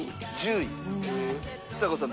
ちさ子さん